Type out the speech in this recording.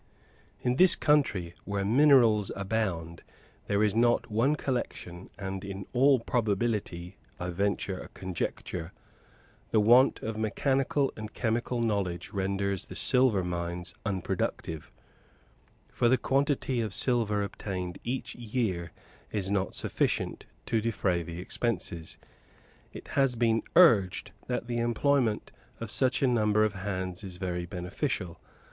In this country, where minerals abound, there is not one collection; and, in all probability, I venture a conjecture, the want of mechanical and chemical knowledge renders the silver mines unproductive, for the quantity of silver obtained every year is not sufficient to defray the expenses. It has been urged that the employment of such a number of hands is very beneficial.